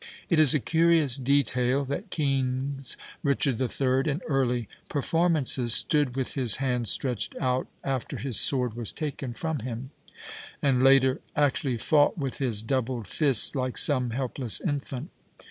It is a curious detail that Kean's Richard IH. in early per formances " stood with his hands stretched out, after his sword was taken from him," and later " actually fought with liis doubled fists like some helpless infant."